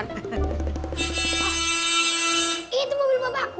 oh itu mobil babaku